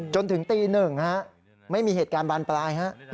จนถึงตี๑ไม่มีเหตุการณ์บานปลายฮะ